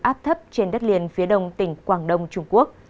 áp thấp trên đất liền phía đông tỉnh quảng đông trung quốc